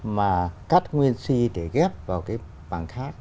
mà cắt nguyên si để ghép vào cái mảng khác